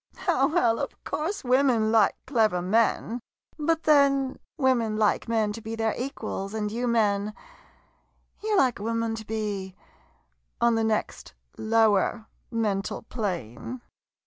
Oh, well, of course women like clever men — but, then, women like men to be their equals — and you men — you like a woman to be — on the next lower mental plane!